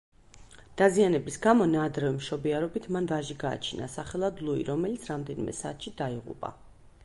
დაზიანების გამო, ნაადრევი მშობიარობით მან ვაჟი გააჩინა, სახელად ლუი, რომელიც რამდენიმე საათში დაიღუპა.